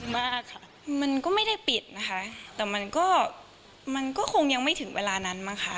มากค่ะมันก็ไม่ได้ปิดนะคะแต่มันก็มันก็คงยังไม่ถึงเวลานั้นมั้งค่ะ